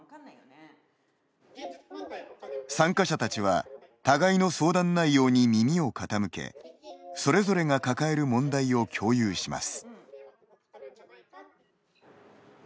参加者たちは互いの相談内容に耳を傾けそれぞれが抱える問題を共有します。